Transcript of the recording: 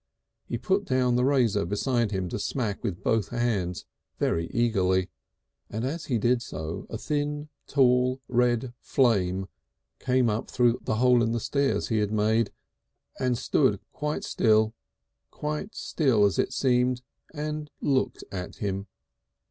He put down the razor beside him to smack with both hands very eagerly. And as he did so a thin tall red flame came up through the hole in the stairs he had made and stood still, quite still as it seemed, and looked at him.